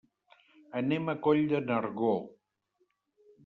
Anem a Coll de Nargó.